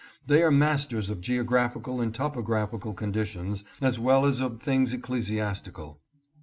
They are masters of geographical and topographical conditions as well as of things ecclesiastical.